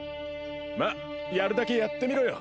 まっやるだけやってみろよ。